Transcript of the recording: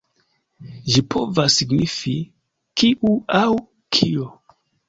Ĝi povas signifi „kiu“ aŭ „kio“.